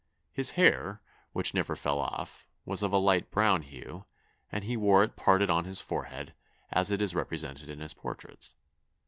His hair, which never fell off, was of a light brown hue, and he wore it parted on his forehead as it is represented in his portraits.